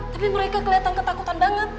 tapi mereka kelihatan ketakutan banget